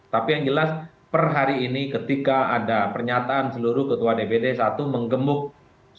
tapi yang jelas per hari ini ketika ada pernyataan seluruh ketua dpd satu menggemuk